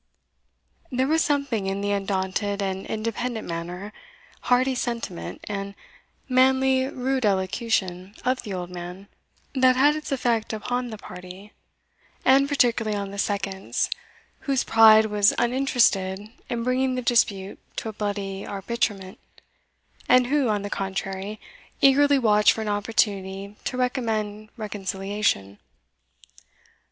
There was something in the undaunted and independent manner, hardy sentiment, and manly rude elocution of the old man, that had its effect upon the party, and particularly on the seconds, whose pride was uninterested in bringing the dispute to a bloody arbitrament, and who, on the contrary, eagerly watched for an opportunity to recommend reconciliation.